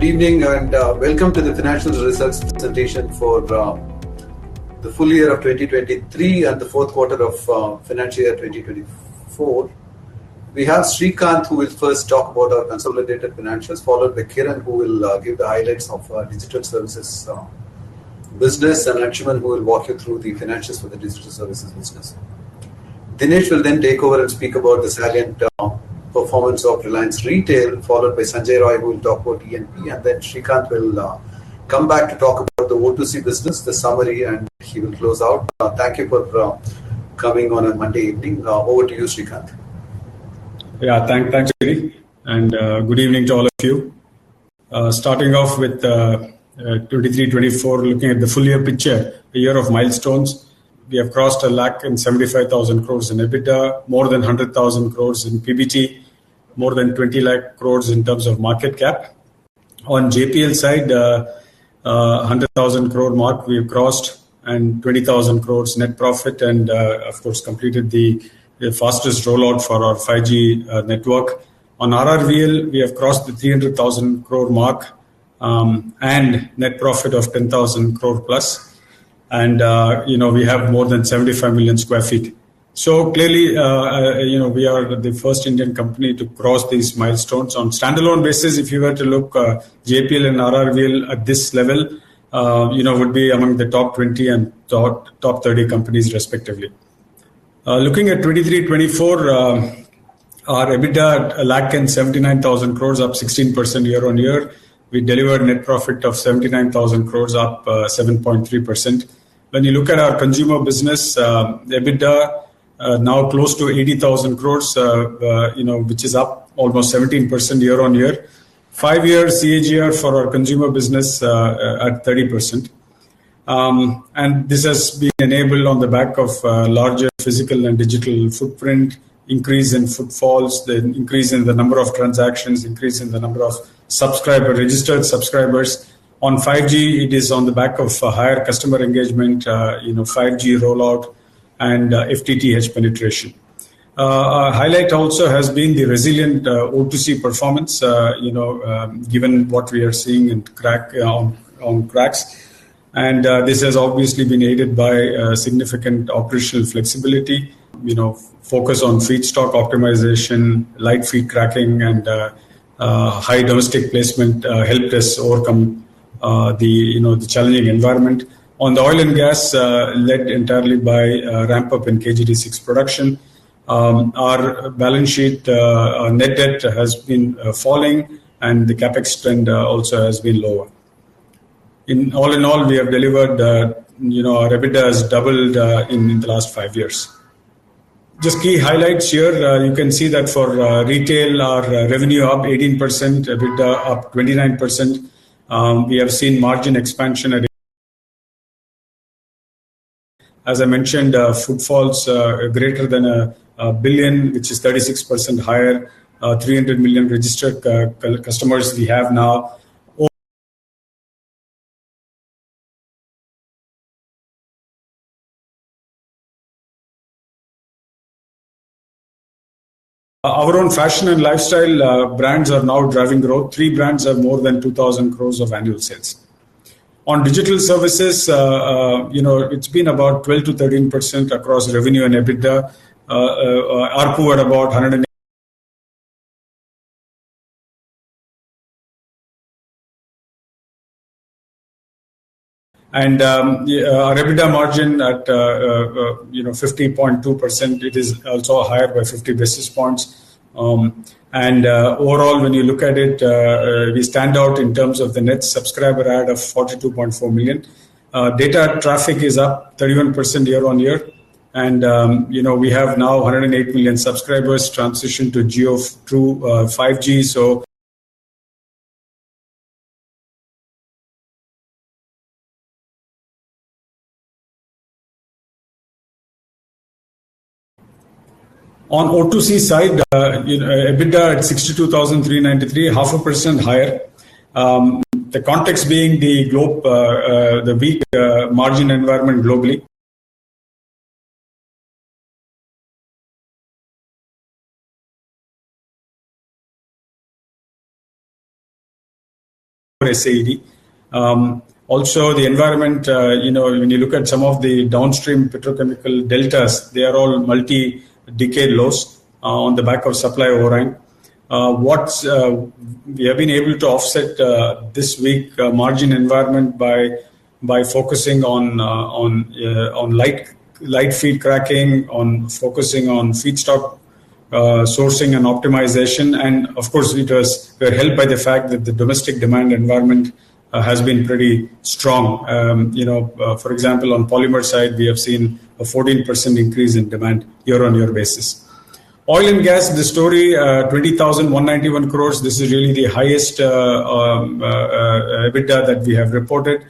Good evening and welcome to the financial results presentation for the full year of 2023 and Q4 of financial year 2024. We have Srikanth, who will first talk about our consolidated financials, followed by Kiran, who will give the highlights of digital services business, and Anshuman, who will walk you through the financials for the digital services business. Dinesh will then take over and speak about the salient performance of Reliance Retail, followed by Sanjay Mashruwala, who will talk about E&P, and then Srikanth will come back to talk about the O2C business, the summary, and he will close out. Thank you for coming on a Monday evening. Over to you, Srikanth. Thanks, Judy. Good evening to all of you. Starting off with 2023/2024, looking at the full-year picture, a year of milestones. We have crossed 75,000 crore in EBITDA, more than 100,000 crore in PBT, more than 2,000,000 crore in terms of market cap. On JPL side, 100,000 crore mark we have crossed, and 20,000 crore net profit, and, of course, completed the fastest rollout for our 5G network. On RRVL, we have crossed the 300,000 crore mark, and net profit of 10,000 crore plus. And, you know, we have more than 75 million sq ft. So clearly, you know, we are the first Indian company to cross these milestones. On standalone basis, if you were to look, JPL and RRVL at this level, you know, would be among the top 20 and top 30 companies, respectively. Looking at 2023/24, our EBITDA at 79,000 crores, up 16% year-on-year. We delivered net profit of 79,000 crores, up 7.3%. When you look at our consumer business EBITDA, now close to 80,000 crores, you know, which is up almost 17% year-on-year. Five-year CAGR for our consumer business at 30%. This has been enabled on the back of larger physical and digital footprint, increase in footfalls, the increase in the number of transactions, increase in the number of subscribers, registered subscribers. On 5G, it is on the back of higher customer engagement, you know, 5G rollout, and FTTH penetration. Our highlight also has been the resilient O2C performance, you know, given what we are seeing in cracks. This has obviously been aided by significant operational flexibility. You know, focus on feedstock optimization, light feed cracking, and high domestic placement helped us overcome the, you know, the challenging environment. On the oil and gas, led entirely by ramp-up in KG-D6 production, our balance sheet net debt has been falling, and the CapEx trend also has been lower. All in all, we have delivered, you know, our EBITDA has doubled in the last five years. Just key highlights here, you can see that for Retail, our revenue up 18%, EBITDA up 29%. We have seen margin expansion, as I mentioned, footfalls greater than one billion, which is 36% higher. 300 million registered customers we have now. Our own fashion and lifestyle brands are now driving growth. Three brands have more than 2,000 crore of annual sales. On Digital Services, you know, it's been about 12% to 13% across revenue and EBITDA. ARPU at about. Your EBITDA margin at, you know, 50.2%, is also higher by 50 basis points. Overall, when you look at it, we stand out in terms of the net subscriber add of 42.4 million. Data traffic is up 31% year-on-year. You know, we have now 108 million subscribers transitioned to Jio through 5G, so. On O2C side, you know, EBITDA at 62,393, 0.5% higher. The context being the global weak-margin environment globally. SAED also, the environment, you know, when you look at some of the downstream petrochemical deltas, they are all multi-decade lows, on the back of supply overrun. What we have been able to offset this weak-margin environment by focusing on light-feed cracking, on focusing on feedstock sourcing and optimization. Of course, we are helped by the fact that the domestic demand environment has been pretty strong. You know, for example, on polymer side, we have seen a 14% increase in demand year-on-year basis. oil and gas, the story, 20,191 crore, this is really the highest EBITDA that we have reported.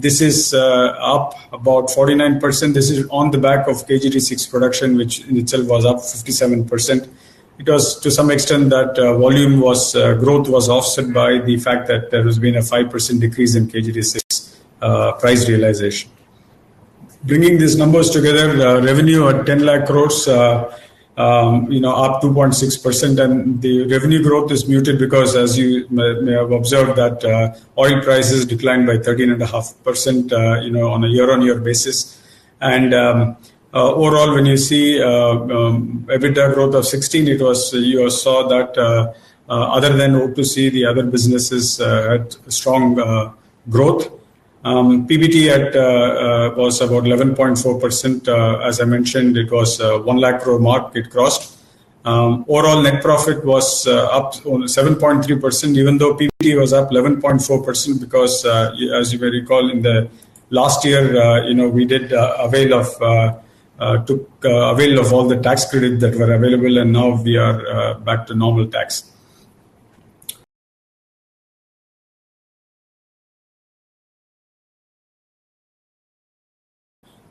This is up about 49%. This is on the back of KG-D6 production, which in itself was up 57%. It was to some extent that volume growth was offset by the fact that there has been a 5% decrease in KG-D6 price realization. Bringing these numbers together, the revenue at 1,000,000 crore, you know, up 2.6%, and the revenue growth is muted because, as you may have observed, that oil prices declined by 13.5%, you know, on a year-on-year basis. Overall, when you see EBITDA growth of 16%, it was you saw that other than O2C, the other businesses had strong growth. PBT was about 11.4%. As I mentioned, it was 1 lakh crore mark it crossed. Overall net profit was up 7.3%, even though PBT was up 11.4% because as you may recall, in the last year, you know, we did avail of took avail of all the tax credits that were available, and now we are back to normal tax.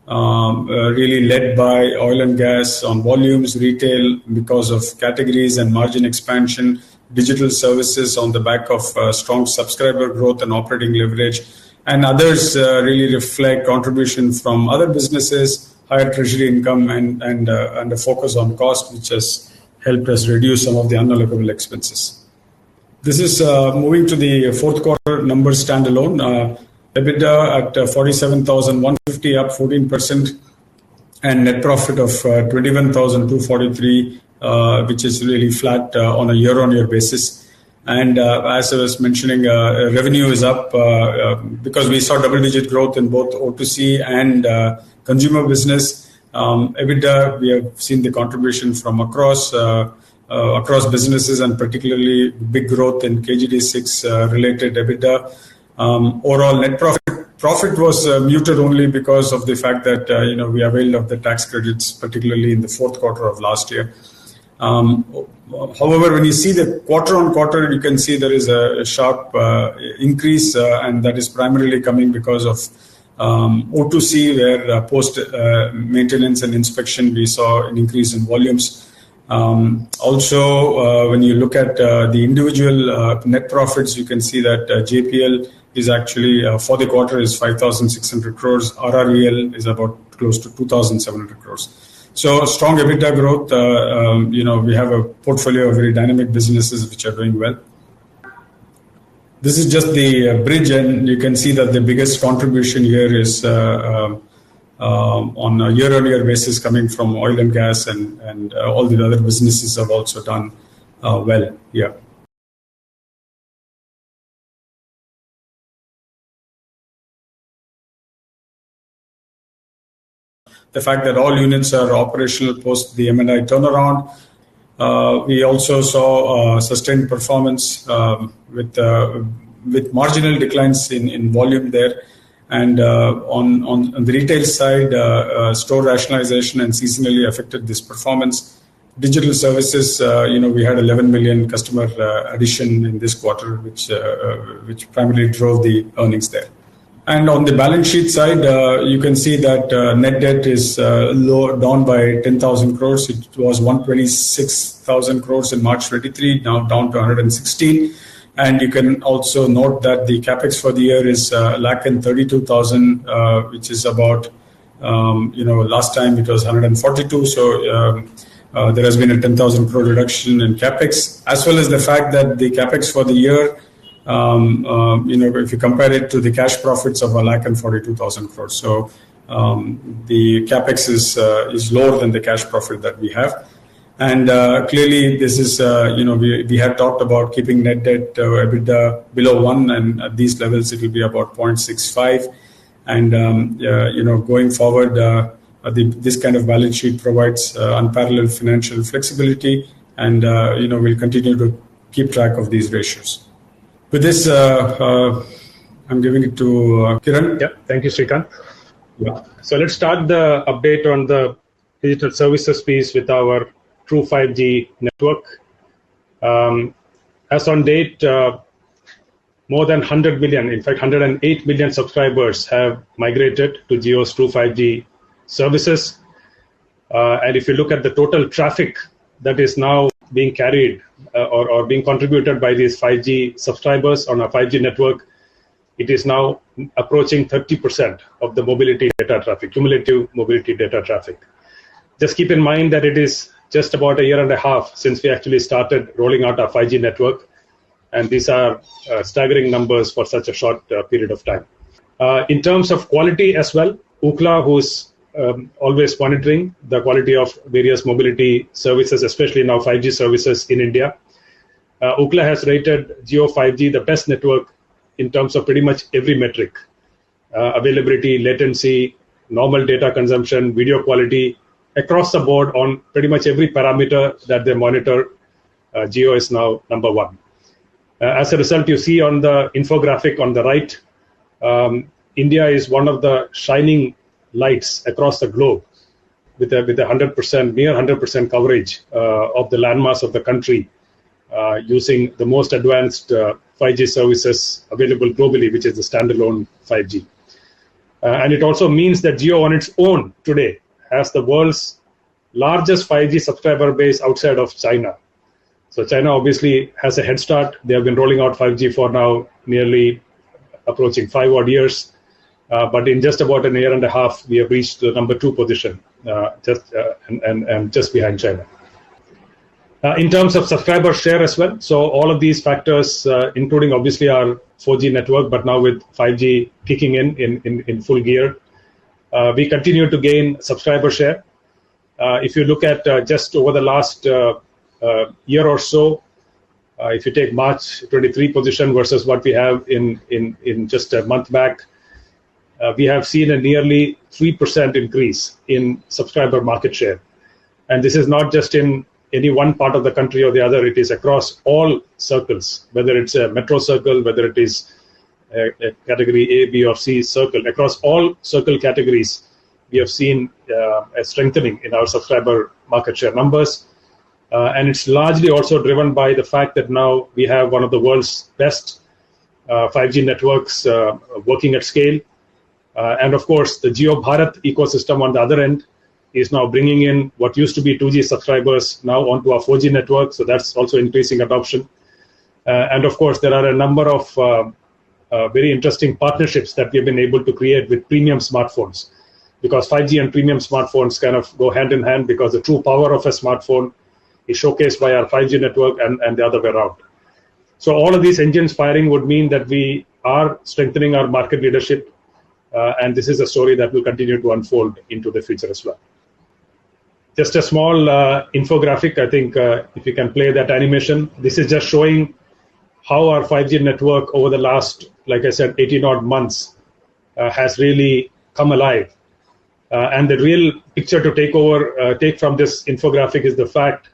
Really led by oil and gas on volumes, retail because of categories and margin expansion, digital services on the back of strong subscriber growth and operating leverage, and others really reflect contribution from other businesses, higher treasury income, and a focus on cost, which has helped us reduce some of the unallocable expenses. This is moving to the Q4 numbers standalone. At 47,150 crore, up 14%, and net profit of 21,243 crore, which is really flat, on a year-on-year basis. As I was mentioning, revenue is up, because we saw double-digit growth in both O2C and consumer business. EBITDA, we have seen the contribution from across, across businesses, and particularly big growth in KG-D6 related EBITDA. Overall net profit profit was muted only because of the fact that, you know, we availed of the tax credits, particularly in the Q4 of last year. However, when you see the quarter-on-quarter, you can see there is a, a sharp, increase, and that is primarily coming because of O2C where, post maintenance and inspection, we saw an increase in volumes. Also, when you look at the individual net profits, you can see that JPL is actually, for the quarter, 5,600 crore. RRVL is about close to 2,700 crore. Strong EBITDA growth, you know. We have a portfolio of very dynamic businesses which are doing well. This is just the bridge, and you can see that the biggest contribution here is, on a year-on-year basis, coming from oil and gas, and all the other businesses have also done well here. The fact that all units are operational post the M&I turnaround. We also saw sustained performance, with marginal declines in volume there. On the retail side, store rationalization and seasonality affected this performance. Digital services, you know, we had 11 million customer additions in this quarter, which primarily drove the earnings there. On the balance sheet side, you can see that net debt is down by 10,000 crore. It was 126,000 crore in March 2023, now down to 116,000 crore. You can also note that the CapEx for the year is 132,000 crore, which is about, you know, last time it was 142,000, so there has been a 10,000 crore reduction in CapEx, as well as the fact that the CapEx for the year, you know, if you compare it to the cash profits of 142,000 crore. So the CapEx is lower than the cash profit that we have. Clearly, this is, you know, we have talked about keeping net debt, EBITDA below one, and at these levels, it'll be about 0.65. And you know, going forward, this kind of balance sheet provides unparalleled financial flexibility, and you know, we'll continue to keep track of these ratios. With this, I'm giving it to Kiran. Yep. Thank you, Srikanth. Yeah. Let's start the update on the digital services piece with our True 5G network. As on date, more than 100 million in fact, 108 million in subscribers have migrated to Jio's True 5G services. If you look at the total traffic that is now being carried. Being contributed by these 5G subscribers on our 5G network, it is now approaching 30% of the mobility data traffic cumulative mobility data traffic. Just keep in mind that it is just about a year and a half since we actually started rolling out our 5G network, and these are staggering numbers for such a short period of time. In terms of quality as well, Ookla, who's always monitoring the quality of various mobility services, especially now 5G services in India, Ookla has rated Jio 5G the best network in terms of pretty much every metric, availability, latency, normal data consumption, video quality across the board on pretty much every parameter that they monitor, Jio is now number one. As a result, you see on the infographic on the right, India is one of the shining lights across the globe with a near 100% coverage of the landmarks of the country, using the most advanced 5G services available globally, which is the standalone 5G. And it also means that Jio on its own today has the world's largest 5G subscriber base outside of China. China obviously has a head start. They have been rolling out 5G for now nearly approaching five-odd years. In just about a year and a half, we have reached the number two position, just behind China. In terms of subscriber share as well, so all of these factors, including obviously our 4G network, but now with 5G kicking in in full gear, we continue to gain subscriber share. If you look at just over the last year or so, if you take March 2023 position versus what we have in just a month back, we have seen a nearly 3% increase in subscriber market share. This is not just in any one part of the country or the other. It is across all circles, whether it's a metro circle, whether it is a category A, B, or C circle, across all circle categories, we have seen a strengthening in our subscriber market share numbers. It's largely also driven by the fact that now we have one of the world's best 5G networks working at scale. Of course, the JioBharat ecosystem on the other end is now bringing in what used to be 2G subscribers now onto our 4G network. That's also increasing adoption. Of course, there are a number of very interesting partnerships that we have been able to create with premium smartphones because 5G and premium smartphones kind of go hand in hand because the true power of a smartphone is showcased by our 5G network and the other way around. All of these engines firing would mean that we are strengthening our market leadership, and this is a story that will continue to unfold into the future as well. Just a small infographic, I think, if you can play that animation. This is just showing how our 5G network over the last, like I said, 80-odd months, has really come alive. The real picture to take over, take from this infographic is the fact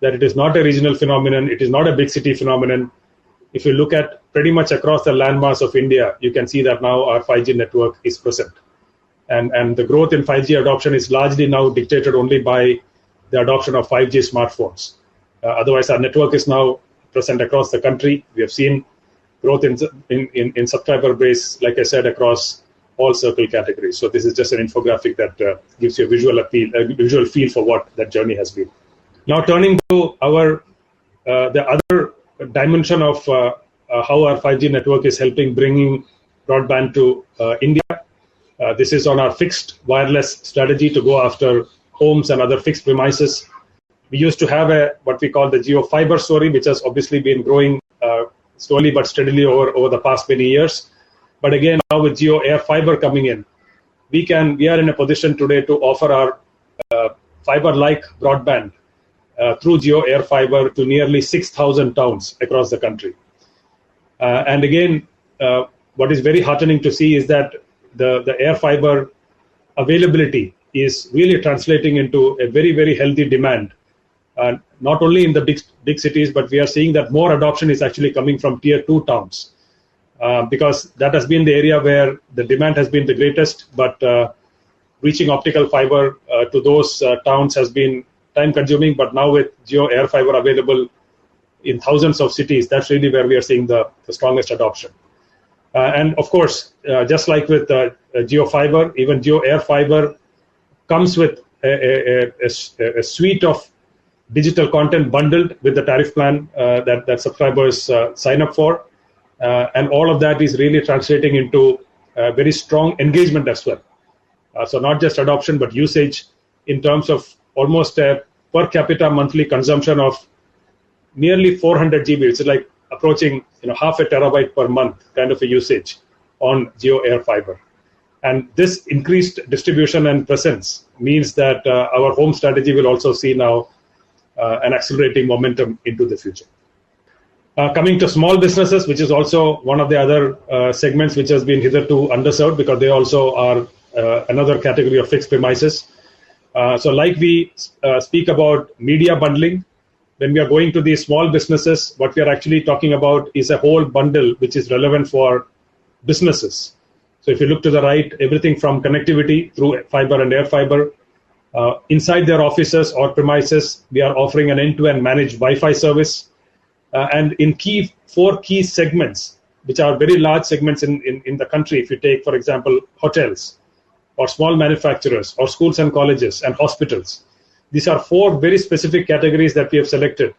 that it is not a regional phenomenon. It is not a big city phenomenon. If you look at pretty much across the landmarks of India, you can see that now our 5G network is present. The growth in 5G adoption is largely now dictated only by the adoption of 5G smartphones. Otherwise, our network is now present across the country. We have seen growth in subscriber base, like I said, across all circle categories. So this is just an infographic that gives you a visual appeal, a visual feel for what that journey has been. Now turning to our, the other dimension of, how our 5G network is helping bringing broadband to, India. This is on our fixed wireless strategy to go after homes and other fixed premises. We used to have a what we call the JioFiber story, which has obviously been growing, slowly but steadily over the past many years. Again, now with JioAirFiber coming in, we are in a position today to offer our, fiber-like broadband, through JioAirFiber to nearly 6,000 towns across the country. Again, what is very heartening to see is that the AirFiber availability is really translating into a very, very healthy demand, not only in the big, big cities, but we are seeing that more adoption is actually coming from tier-two towns, because that has been the area where the demand has been the greatest. Reaching optical fiber to those towns has been time-consuming. Now with JioAirFiber available in thousands of cities, that's really where we are seeing the strongest adoption. And of course, just like with JioFiber, even JioAirFiber comes with a suite of digital content bundled with the tariff plan that subscribers sign up for. All of that is really translating into very strong engagement as well. Not just adoption, but usage in terms of almost a per capita monthly consumption of nearly 400 GB. It's like approaching, you know, half a terabyte per month kind of a usage on JioAirFiber. And this increased distribution and presence means that our home strategy will also see now an accelerating momentum into the future. Coming to small businesses, which is also one of the other segments which has been hitherto underserved because they also are another category of fixed premises. Like we speak about media bundling, when we are going to these small businesses, what we are actually talking about is a whole bundle which is relevant for businesses. If you look to the right, everything from connectivity through fiber and air fiber inside their offices or premises, we are offering an end-to-end managed Wi-Fi service. In four key segments which are very large segments in the country, if you take, for example, hotels or small manufacturers or schools and colleges and hospitals, these are four very specific categories that we have selected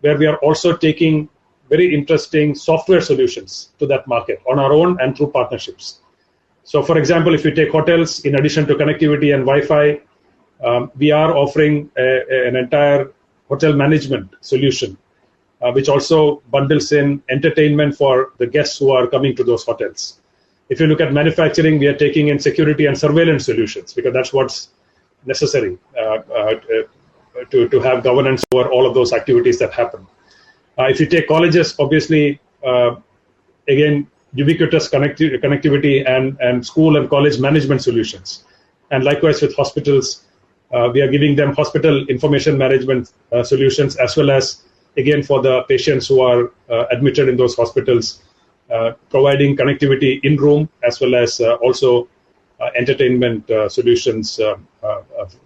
where we are also taking very interesting software solutions to that market on our own and through partnerships. For example, if you take hotels, in addition to connectivity and Wi-Fi, we are offering an entire hotel management solution, which also bundles in entertainment for the guests who are coming to those hotels. If you look at manufacturing, we are taking in security and surveillance solutions because that's what's necessary to have governance over all of those activities that happen. If you take colleges, obviously, again, ubiquitous connectivity and school and college management solutions. Likewise with hospitals, we are giving them hospital information management solutions as well as, again, for the patients who are admitted in those hospitals, providing connectivity in-room as well as entertainment solutions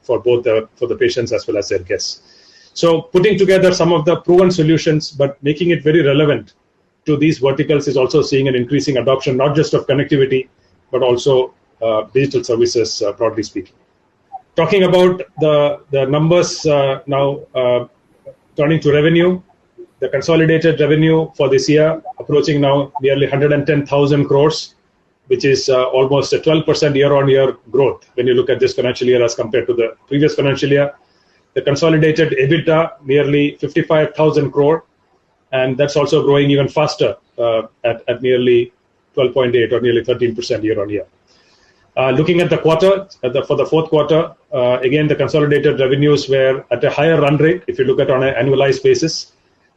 for both the patients as well as their guests. Putting together some of the proven solutions but making it very relevant to these verticals is also seeing an increasing adoption not just of connectivity but also digital services, broadly speaking. Talking about the numbers, now, turning to revenue, the consolidated revenue for this year approaching now nearly 110,000 crores, which is almost a 12% year-on-year growth when you look at this financial year as compared to the previous financial year. The consolidated EBITDA nearly 55,000 crore. That's also growing even faster, at nearly 12.8 or nearly 13% year-on-year. Looking at the quarter for the Q4, again, the consolidated revenues were at a higher run rate if you look at on an annualized basis,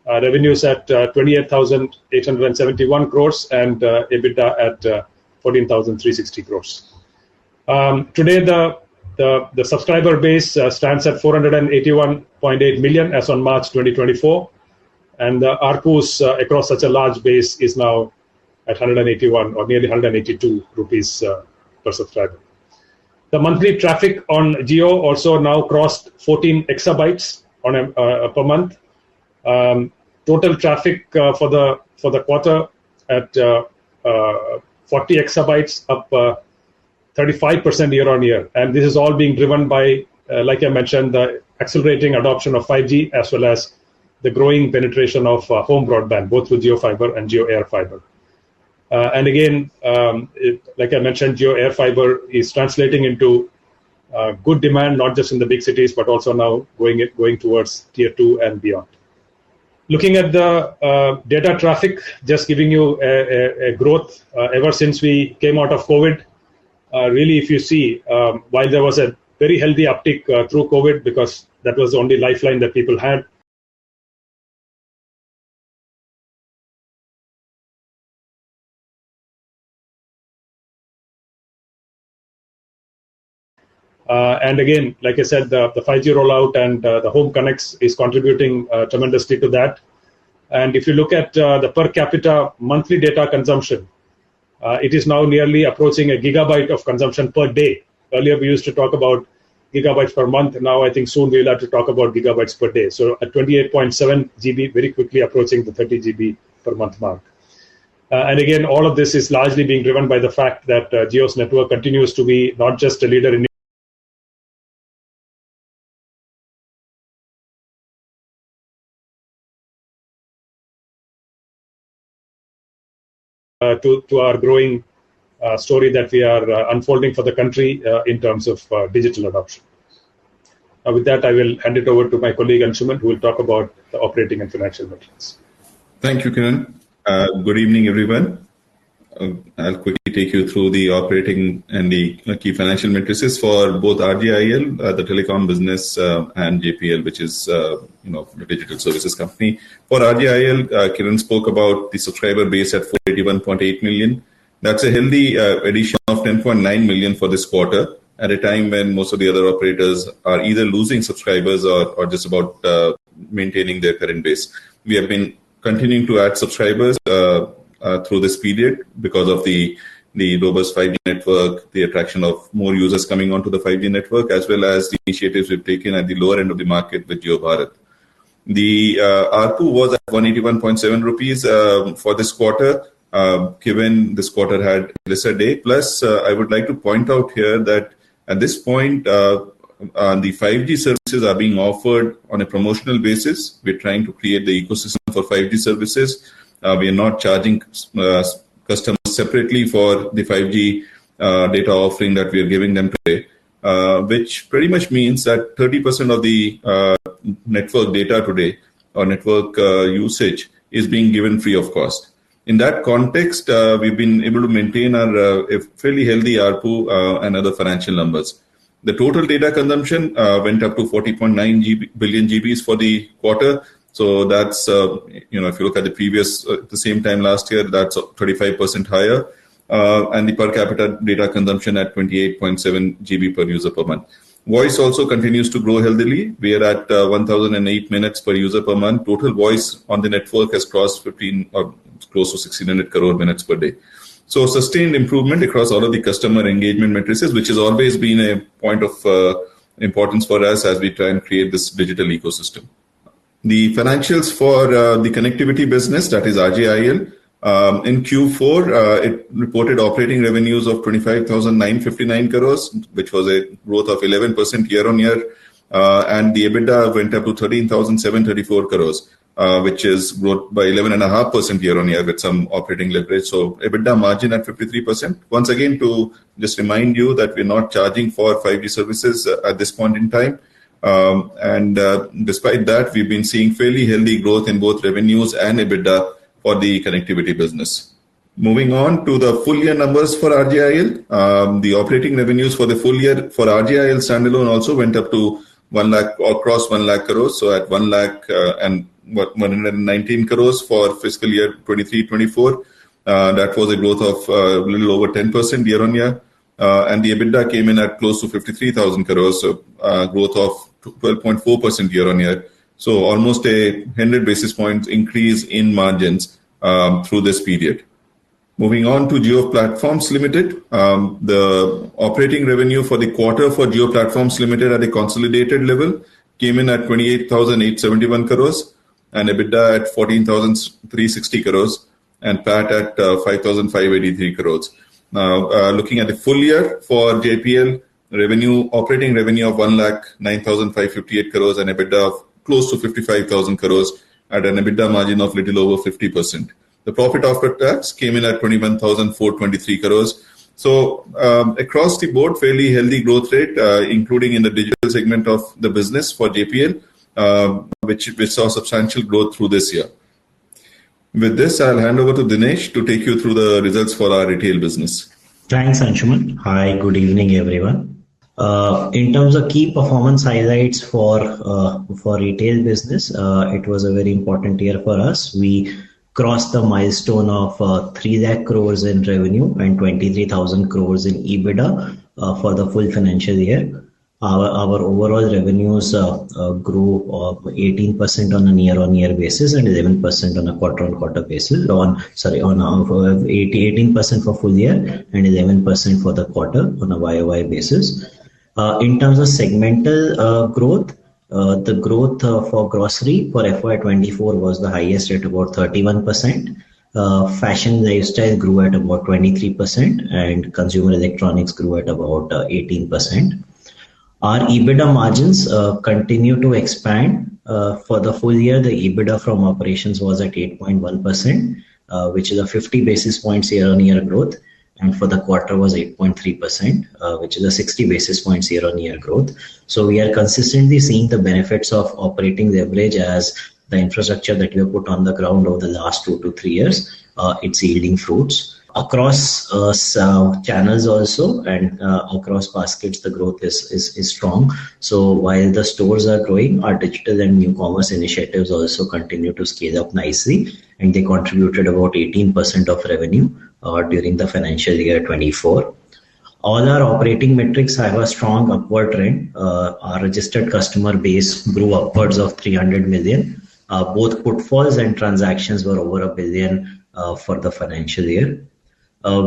revenues at 28,871 crores and EBITDA at 14,360 crores. Today, the subscriber base stands at 481.8 million as on March 2024. The ARPUs across such a large base is now at 181 or nearly 182 rupees per subscriber. The monthly traffic on Jio also now crossed 14 exabytes per month. Total traffic for the quarter at 40 exabytes, up 35% year-on-year. This is all being driven by, like I mentioned, the accelerating adoption of 5G as well as the growing penetration of home broadband both through JioFiber and JioAirFiber. Again, like I mentioned, JioAirFiber is translating into good demand not just in the big cities but also now going towards tier-two and beyond. Looking at the data traffic, just giving you a growth ever since we came out of COVID, really, if you see, while there was a very healthy uptick through COVID because that was the only lifeline that people had. Again, like I said, the 5G rollout and the Home Connects is contributing tremendously to that. If you look at the per capita monthly data consumption, it is now nearly approaching a gigabyte of consumption per day. Earlier, we used to talk about gigabytes per month. Now, I think soon we'll have to talk about gigabytes per day. So at 28.7 GB, very quickly approaching the 30 GB per month mark. All of this is largely being driven by the fact that Jio's network continues to be not just a leader in our growing story that we are unfolding for the country in terms of digital adoption. With that, I will hand it over to my colleague Anshuman who will talk about the operating and financial metrics. Thank you, Kiran. Good evening, everyone. I'll quickly take you through the operating and the key financial metrics for both RJIL, the telecom business, and JPL, which is, you know, the digital services company. For RJIL, Kiran spoke about the subscriber base at 481.8 million. That's a healthy addition of 10.9 million for this quarter at a time when most of the other operators are either losing subscribers or just about maintaining their current base. We have been continuing to add subscribers through this period because of the robust 5G network, the attraction of more users coming onto the 5G network, as well as the initiatives we've taken at the lower end of the market with JioBharat. The ARPU was at 181.7 rupees for this quarter, given this quarter had a lesser day. Plus, I would like to point out here that at this point, the 5G services are being offered on a promotional basis. We're trying to create the ecosystem for 5G services. We are not charging customers separately for the 5G data offering that we are giving them today, which pretty much means that 30% of the network data today or network usage is being given free of cost. In that context, we've been able to maintain our fairly healthy ARPU and other financial numbers. The total data consumption went up to 40.9 billion GBs for the quarter. That's, you know, if you look at the previous at the same time last year, that's 35% higher, and the per capita data consumption at 28.7 GB per user per month. Voice also continues to grow healthily. We are at 1,008 minutes per user per month. Total voice on the network has crossed 15 or close to 1,600 crore minutes per day. Sustained improvement across all of the customer engagement matrices, which has always been a point of importance for us as we try and create this digital ecosystem. The financials for the connectivity business, that is RJIL, in Q4, it reported operating revenues of 25,959 crores, which was a growth of 11% year-on-year. The EBITDA went up to 13,734 crores, which is growth by 11.5% year-on-year with some operating leverage. So EBITDA margin at 53%. Once again, to just remind you that we're not charging for 5G services at this point in time. Despite that, we've been seeing fairly healthy growth in both revenues and EBITDA for the connectivity business. Moving on to the full-year numbers for RJIL, the operating revenues for the full year for RJIL standalone also went up to 1,00,000 or cross 1,00,000 crores. At 1,00,119 crore for fiscal year 2023/24, that was a growth of a little over 10% year-on-year. The EBITDA came in at close to 53,000 crore, growth of 12.4% year-on-year. So almost a 100 basis points increase in margins through this period. Moving on to Jio Platforms Limited, the operating revenue for the quarter for Jio Platforms Limited at a consolidated level came in at 28,871 crore and EBITDA at 14,360 crore and PAT at 5,583 crore. Now, looking at the full year for JPL, operating revenue of 1,009,558 crore and EBITDA of close to 55,000 crore at an EBITDA margin of a little over 50%. The profit after tax came in at 21,423 crore. Across the board, fairly healthy growth rate, including in the digital segment of the business for JPL, which we saw substantial growth through this year. With this, I'll hand over to Dinesh to take you through the results for our retail business. Thanks, Anshuman. Hi. Good evening, everyone. In terms of key performance highlights for retail business, it was a very important year for us. We crossed the milestone of 3,000,000 crore in revenue and 23,000 crore in EBITDA, for the full financial year. Our overall revenues grew 18% on a year-on-year basis and 11% on a quarter-on-quarter basis on, sorry, on 18% for full year and 11% for the quarter on a YOY basis. In terms of segmental growth, the growth for grocery for FY 2024 was the highest at about 31%. Fashion lifestyle grew at about 23%, and consumer electronics grew at about 18%. Our EBITDA margins continue to expand. For the full year, the EBITDA from operations was at 8.1%, which is a 50 basis points year-on-year growth. For the quarter was 8.3%, which is a 60 basis points year-on-year growth. So we are consistently seeing the benefits of operating leverage as the infrastructure that we have put on the ground over the last two to three years, it's yielding fruits. Across channels also and across baskets, the growth is strong. While the stores are growing, our digital and new commerce initiatives also continue to scale up nicely. They contributed about 18% of revenue, during the financial year 2024. All our operating metrics have a strong upward trend. Our registered customer base grew upwards of 300 million. Both footfalls and transactions were over 1 billion, for the financial year.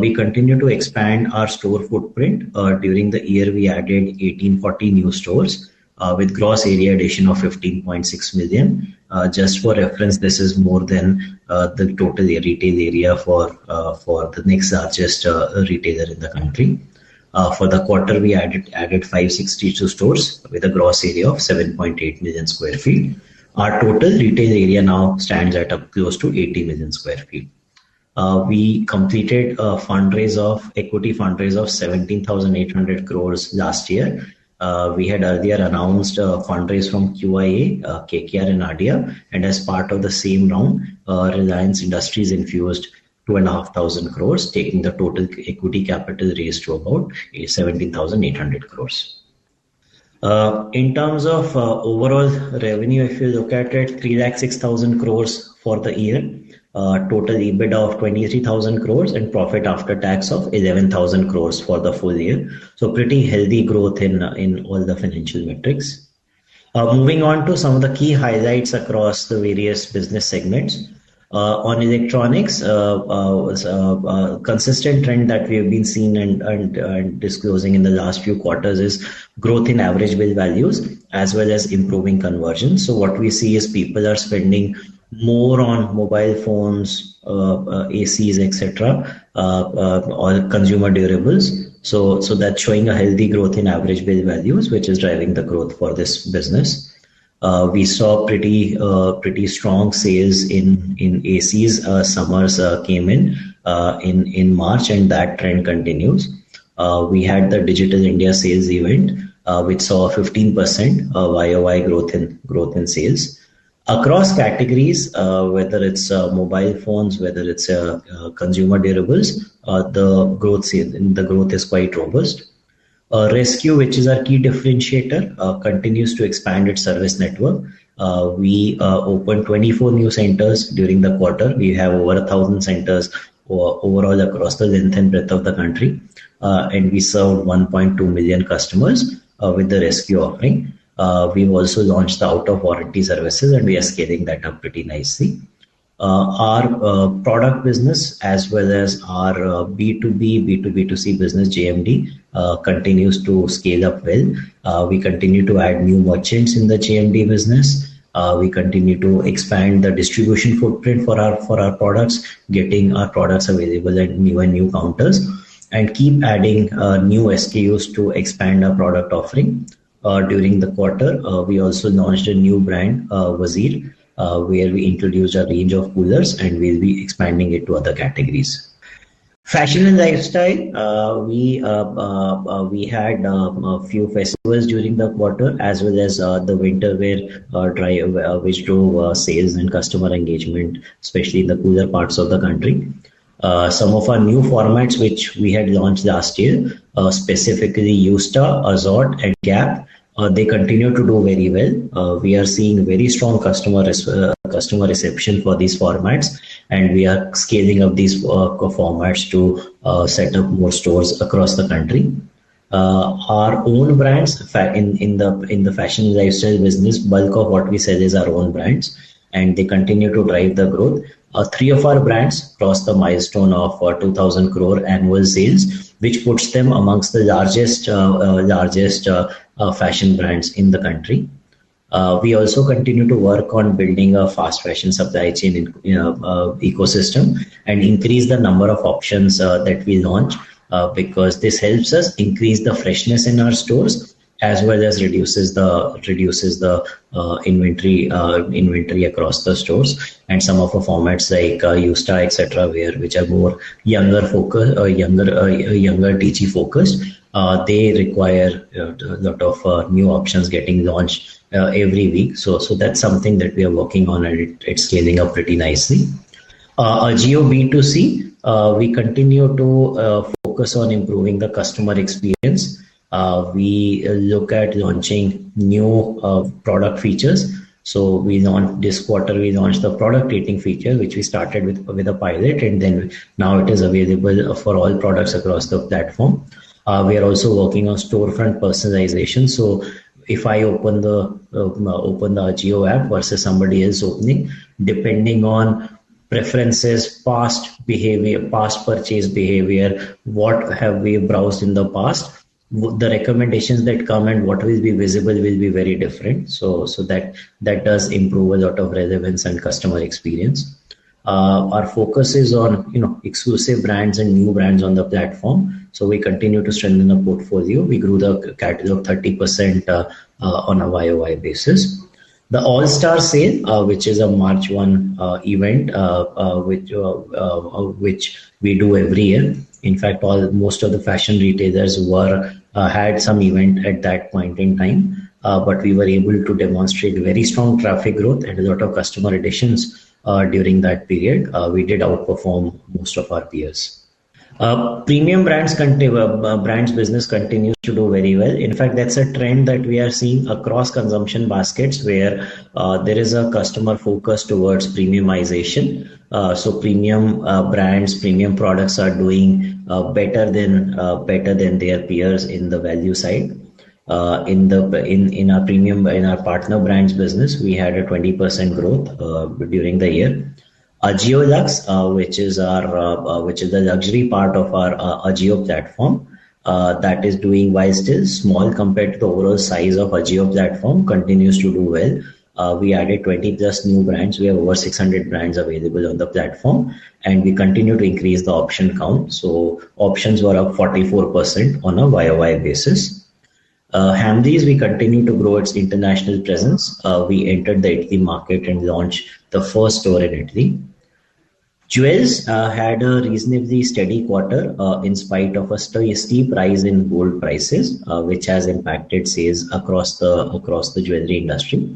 We continue to expand our store footprint. During the year, we added 1,840 new stores, with gross area addition of 15.6 million. Just for reference, this is more than the total retail area for the next largest retailer in the country. For the quarter, we added 562 stores with a gross area of 7.8 million square ft. Our total retail area now stands at up close to 80 million square feet. We completed an equity fundraise of 17,800 crore last year. We had earlier announced a fundraise from QIA, KKR, and ADIA. And as part of the same round, Reliance Industries infused 2,500 crore, taking the total equity capital raised to about 17,800 crore. In terms of overall revenue, if you look at it, 3,006,000 crore for the year, total EBITDA of 23,000 crore, and profit after tax of 11,000 crore for the full year. Pretty healthy growth in all the financial metrics. Moving on to some of the key highlights across the various business segments, on electronics, consistent trend that we have been seeing and disclosing in the last few quarters is growth in average bill values as well as improving conversion. What we see is people are spending more on mobile phones, ACs, etc., all consumer durables. That's showing a healthy growth in average bill values, which is driving the growth for this business. We saw pretty strong sales in ACs. Summers came in in March, and that trend continues. We had the Digital India Sales event, which saw a 15% YOY growth in sales. Across categories, whether it's mobile phones, whether it's consumer durables, the growth in sales is quite robust. resQ, which is our key differentiator, continues to expand its service network. We opened 24 new centers during the quarter. We have over 1,000 centers overall across the length and breadth of the country. We served 1.2 million customers with the resQ offering. We've also launched the out-of-warranty services, and we are scaling that up pretty nicely. Our product business as well as our B2B, B2B2C business, GMD, continues to scale up well. We continue to add new merchants in the GMD business. We continue to expand the distribution footprint for our products, getting our products available at new and new counters, and keep adding new SKUs to expand our product offering during the quarter. We also launched a new brand, Wyzr, where we introduced a range of coolers, and we'll be expanding it to other categories. Fashion and lifestyle, we had a few festivals during the quarter as well as the winter wear drive, which drove sales and customer engagement, especially in the cooler parts of the country. Some of our new formats, which we had launched last year, specifically Yousta, Azorte, and Gap, they continue to do very well. We are seeing very strong customer reception for these formats, and we are scaling up these formats to set up more stores across the country. Our own brands in the fashion and lifestyle business, bulk of what we sell is our own brands, and they continue to drive the growth. Three of our brands crossed the milestone of 2,000 crore annual sales, which puts them amongst the largest fashion brands in the country. We also continue to work on building a fast fashion supply chain ecosystem and increase the number of options that we launch, because this helps us increase the freshness in our stores as well as reduces the inventory across the stores. Some of our formats like Yousta, etc., which are more younger-focused, require a lot of new options getting launched every week. That's something that we are working on, and it's scaling up pretty nicely. AJIO B2C, we continue to focus on improving the customer experience. We look at launching new product features. This quarter, we launched the product rating feature, which we started with a pilot, and then now it is available for all products across the platform. We are also working on storefront personalization. If I open the Jio app versus somebody else opening, depending on preferences, past behavior, past purchase behavior, what have we browsed in the past, the recommendations that come and what will be visible will be very different. That does improve a lot of relevance and customer experience. Our focus is on, you know, exclusive brands and new brands on the platform. We continue to strengthen the portfolio. We grew the catalog 30% on a YOY basis. The All-Star Sale, which is a 1 March event, which we do every year. In fact, almost all of the fashion retailers had some event at that point in time. We were able to demonstrate very strong traffic growth and a lot of customer additions during that period. We did outperform most of our peers. Premium brands business continues to do very well. In fact, that's a trend that we are seeing across consumption baskets where there is a customer focus towards premiumization. Premium brands, premium products are doing better than their peers in the value side. In our premium partner brands business, we had a 20% growth during the year. AJIO LUXE, which is the luxury part of our AJIO platform, that is doing nicely. Small compared to the overall size of AJIO platform continues to do well. We added 20+ new brands. We have over 600 brands available on the platform, and we continue to increase the option count. Options were up 44% on a YOY basis. Hamleys, we continue to grow its international presence. We entered the Italy market and launched the first store in Italy. Jewels had a reasonably steady quarter, in spite of a steep rise in gold prices, which has impacted sales across the jewelry industry.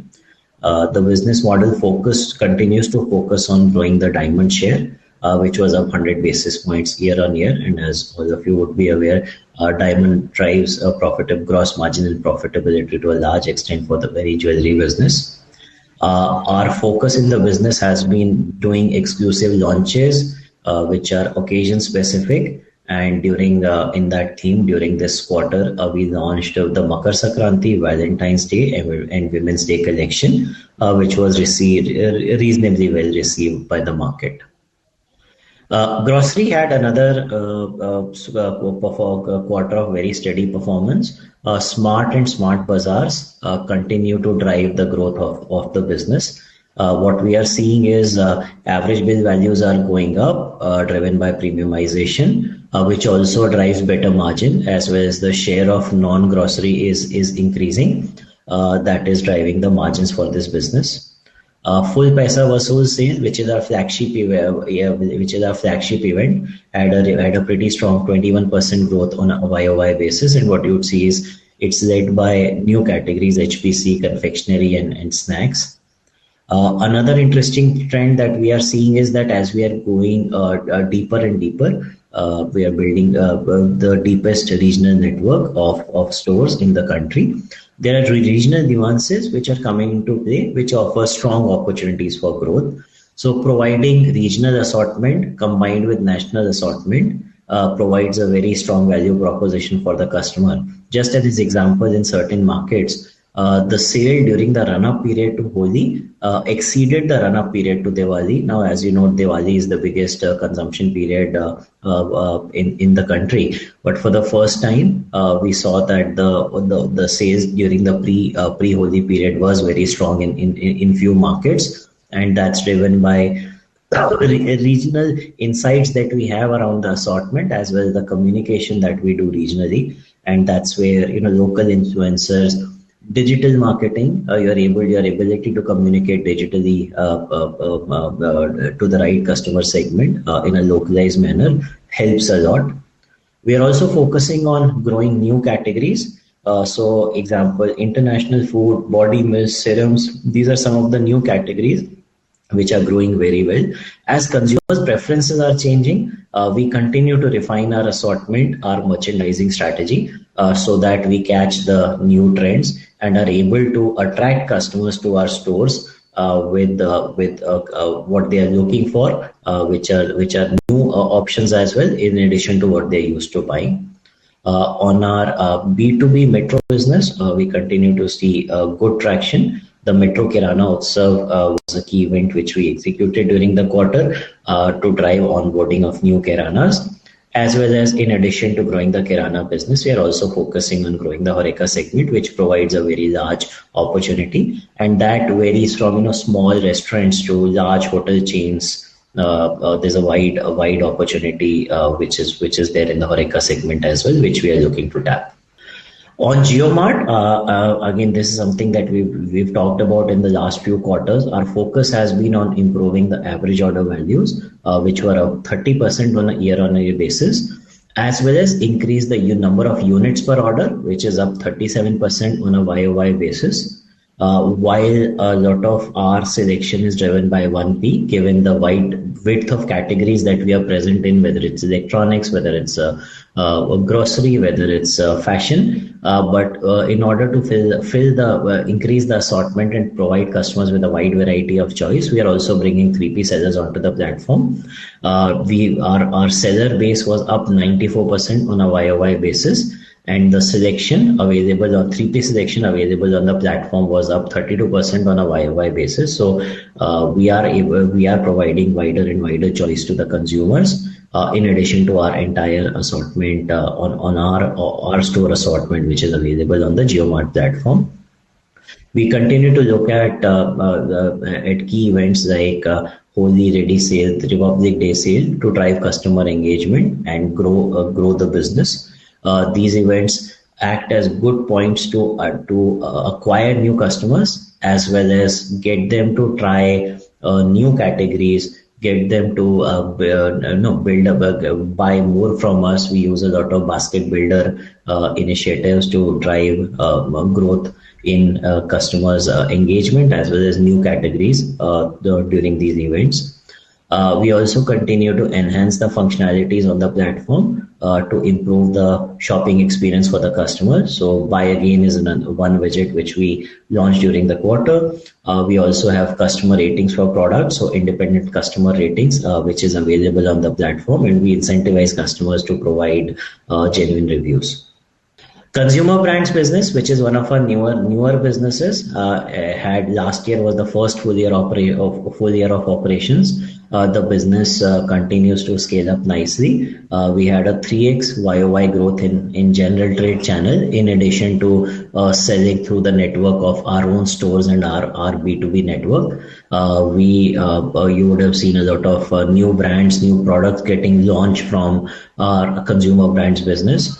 The business model focus continues to focus on growing the diamond share, which was up 100 basis points year-on-year. As all of you would be aware, diamond drives a profitable gross margin and profitability to a large extent for the very jewelry business. Our focus in the business has been doing exclusive launches, which are occasion-specific. During, in that theme, this quarter, we launched the Makar Sankranti, Valentine's Day, and Women's Day collection, which was reasonably well received by the market. Grocery had another quarter of very steady performance. Smart and Smart Bazaars continue to drive the growth of the business. What we are seeing is average bill values are going up, driven by premiumization, which also drives better margin as well as the share of non-grocery is increasing. That is driving the margins for this business. Full paisa versus sales, which is our flagship event, had a pretty strong 21% growth on a YOY basis. What you'd see is it's led by new categories, HPC, confectionery, and snacks. Another interesting trend that we are seeing is that as we are going deeper and deeper, we are building the deepest regional network of stores in the country. There are regional nuances which are coming into play, which offer strong opportunities for growth. Providing regional assortment combined with national assortment provides a very strong value proposition for the customer. Just as an example, in certain markets, the sale during the run-up period to Holi exceeded the run-up period to Diwali. Now, as you know, Diwali is the biggest consumption period in the country. But for the first time, we saw that the sales during the pre-Holi period was very strong in few markets. That's driven by regional insights that we have around the assortment as well as the communication that we do regionally. That's where, you know, local influencers, digital marketing, your ability to communicate digitally to the right customer segment in a localized manner helps a lot. We are also focusing on growing new categories. Example, international food, body mist, serums; these are some of the new categories which are growing very well. As consumer preferences are changing, we continue to refine our assortment, our merchandising strategy, so that we catch the new trends and are able to attract customers to our stores, with what they are looking for, which are new options as well in addition to what they used to buy. On our B2B metro business, we continue to see good traction. The Metro Kirana serve was a key event which we executed during the quarter, to drive onboarding of new Kiranas. As well as in addition to growing the Kirana business, we are also focusing on growing the Horeca segment, which provides a very large opportunity and that very strong, you know, small restaurants to large hotel chains. There's a wide opportunity, which is there in the Horeca segment as well, which we are looking to tap on JioMart. Again, this is something that we've talked about in the last few quarters. Our focus has been on improving the average order values, which were up 30% on a year-on-year basis, as well as increase the number of units per order, which is up 37% on a YOY basis, while a lot of our selection is driven by 1P, given the wide width of categories that we are present in, whether it's electronics, whether it's a grocery, whether it's a fashion. In order to fill, to increase the assortment and provide customers with a wide variety of choice, we are also bringing 3P sellers onto the platform. Our seller base was up 94% on a YOY basis, and the 3P selection available on the platform was up 32% on a YOY basis. We are providing wider and wider choice to the consumers, in addition to our entire assortment on our store assortment, which is available on the JioMart platform. We continue to look at key events like Holi Ready Sale, Republic Day Sale to drive customer engagement and grow the business. These events act as good points to acquire new customers as well as get them to try new categories, get them to, you know, build up a buy more from us. We use a lot of basket builder initiatives to drive growth in customers' engagement as well as new categories. During these events, we also continue to enhance the functionalities on the platform, to improve the shopping experience for the customers. Buy again is another one widget which we launched during the quarter. We also have customer ratings for products, so independent customer ratings, which is available on the platform, and we incentivize customers to provide genuine reviews. Consumer brands business, which is one of our newer businesses, had last year was the first full year of operations. The business continues to scale up nicely. We had a 3x YoY growth in general trade channel, in addition to selling through the network of our own stores and our B2B network. We would have seen a lot of new brands, new products getting launched from our consumer brands business.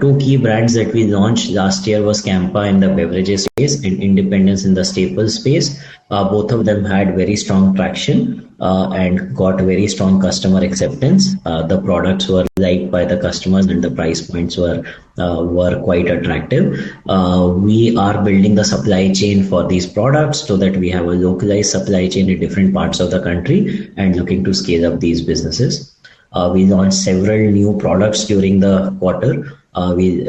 Two key brands that we launched last year was Campa in the beverages space and Independence in the staples space. Both of them had very strong traction, and got very strong customer acceptance. The products were liked by the customers and the price points were quite attractive. We are building the supply chain for these products so that we have a localized supply chain in different parts of the country and looking to scale up these businesses. We launched several new products during the quarter. We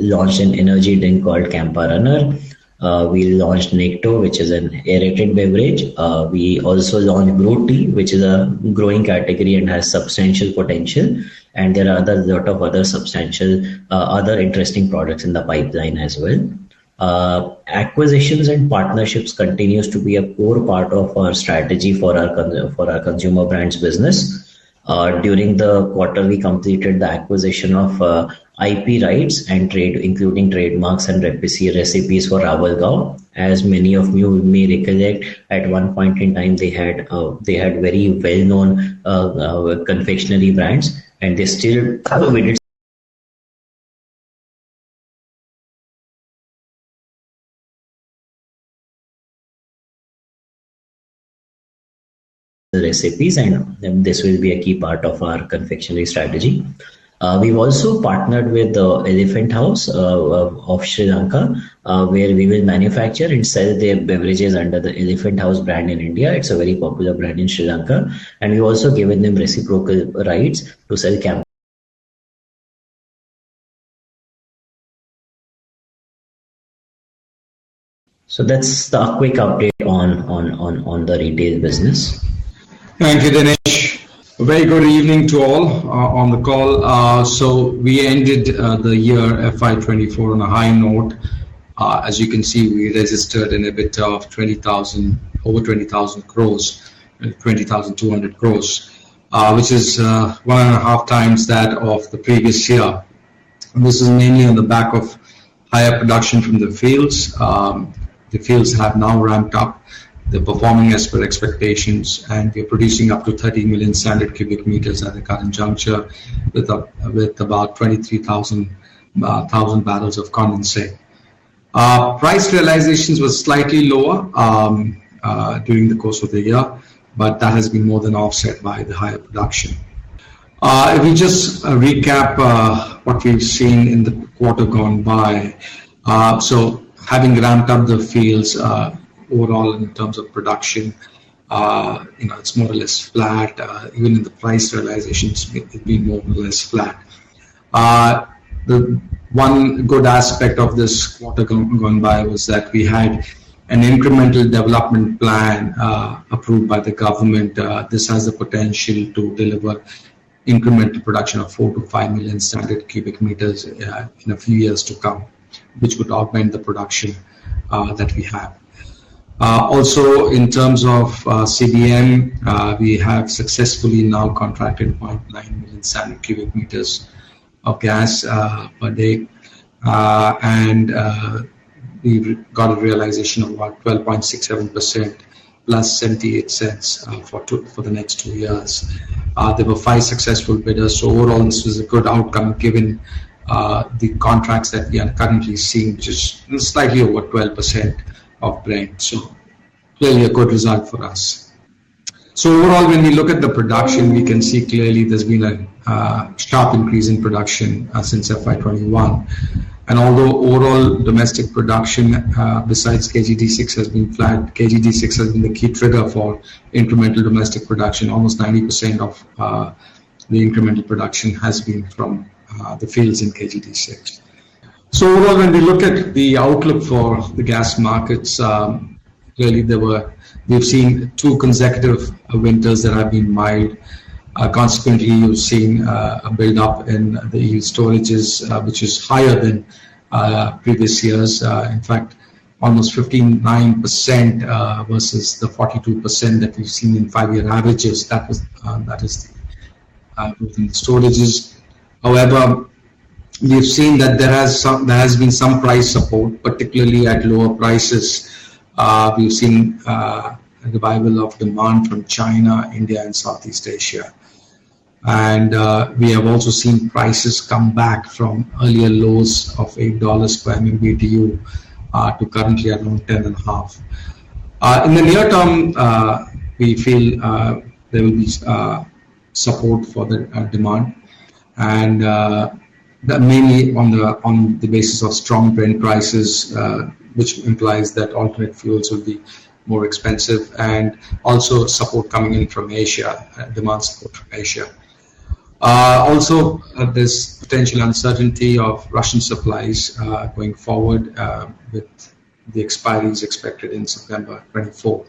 launched an energy drink called Campa Cricket. We launched Necto, which is an aerated beverage. We also launched Gruti, which is a growing category and has substantial potential. And there are a lot of other substantial interesting products in the pipeline as well. Acquisitions and partnerships continue to be a core part of our strategy for our consumer brands business. During the quarter, we completed the acquisition of IP rights and trade, including trademarks and recipes for Ravalgaon. As many of you may recollect, at one point in time, they had very well-known confectionery brands, and they still recipes. This will be a key part of our confectionery strategy. We've also partnered with the Elephant House of Sri Lanka, where we will manufacture and sell their beverages under the Elephant House brand in India. It's a very popular brand in Sri Lanka, and we also gave them reciprocal rights to sell Campa. That's the quick update on the retail business. Thank you, Dinesh. Very good evening to all on the call. We ended the year FY 2024 on a high note. As you can see, we registered a bit over 20,000 crores and 20,200 crores, which is one and a half times that of the previous year. This is mainly on the back of higher production from the fields. The fields have now ramped up, they're performing as per expectations, and they're producing up to 30 million standard cubic meters at the current juncture with about 23,000 bottles of condensate. Price realizations were slightly lower during the course of the year, but that has been more than offset by the higher production. If we just recap what we've seen in the quarter gone by, so having ramped up the fields overall in terms of production, you know, it's more or less flat. Even in the price realizations, it's been more or less flat. The one good aspect of this quarter gone by was that we had an incremental development plan approved by the government. This has the potential to deliver incremental production of 4-5 million standard cubic meters in a few years to come, which would augment the production that we have. Also, in terms of CBM, we have successfully now contracted 0.9 million standard cubic meters of gas per day. And we got a realization of about 12.67+% $0.78 for the next two years. There were five successful bidders. Overall, this was a good outcome given the contracts that we are currently seeing, which is slightly over 12% of Brent. Clearly a good result for us. Overall, when we look at the production, we can see clearly there's been a sharp increase in production since FY21. Although overall domestic production, besides KG-D6, has been flat, KG-D6 has been the key trigger for incremental domestic production. Almost 90% of the incremental production has been from the fields in KG-D6. So overall, when we look at the outlook for the gas markets, clearly we've seen two consecutive winters that have been mild. Consequently, you've seen a buildup in the yield storages, which is higher than previous years. In fact, almost 59% versus the 42% that we've seen in five-year averages. That is the growth in the storages. However, we've seen that there has been some price support, particularly at lower prices. We've seen a revival of demand from China, India, and Southeast Asia. We have also seen prices come back from earlier lows of $8 per MMBtu to currently around $10.5. In the near term, we feel there will be support for the demand. And mainly on the basis of strong brand prices, which implies that alternate fuels will be more expensive and also support coming in from Asia, demand support from Asia. Also, there's potential uncertainty of Russian supplies going forward with the expiry expected in September 2024.